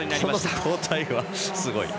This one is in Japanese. この交代はすごい。